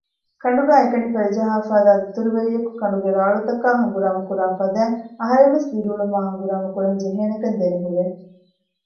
ކަނޑުގައި އެކަނި ފަލިޖަހާފައިދާ ދަތުރުވެރިޔަކު ކަނޑުގެ ރާޅުތަކާއި ހަނގުރާމަ ކުރާފަދައިން އަހަރެންވެސް ދިރިއުޅުމާއި ހަނގުރާމަ ކުރަން ޖެހޭނެކަން ދެނެހުރޭ